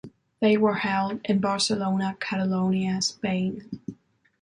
They were held in Barcelona, Catalonia, Spain.